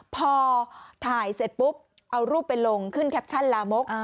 พอถ่ายเสร็จปุ๊บเอารูปไปลงขึ้นแคปชั่นลามก